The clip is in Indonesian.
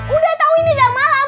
udah tau ini udah malam